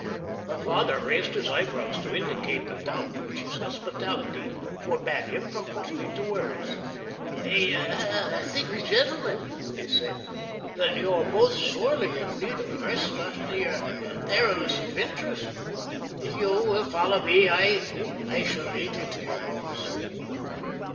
My father raised his eyebrows to indicate the doubt which his hospitality forbade him from putting into words. "I think, gentlemen," he said, "that you are both sorely in need of rest after your perilous adventures. If you will follow me I shall lead you to your rooms."